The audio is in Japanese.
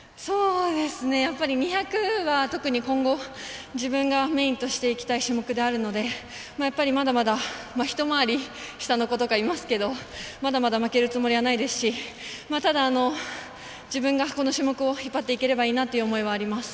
やっぱり２００は今後自分がメインとしていきたい種目であるのでまだまだ一回り下の子とかいますけどまだまだ負けるつもりはないですし、ただ自分が、この種目を引っ張っていければという思いはあります。